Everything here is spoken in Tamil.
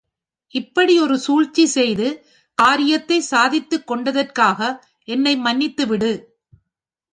இப்படி ஒரு சூழ்ச்சி செய்து காரியத்தைச் சாதித்துக்கொண்டதற்காக என்னை மன்னித்துவிடு.